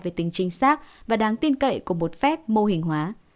về tính chính xác và đáng tin cậy của một phép mô hình hóa